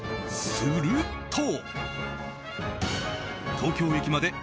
すると。